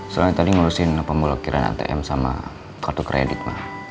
soalnya tadi ngurusin pembelokiran atm sama kartu kredit ma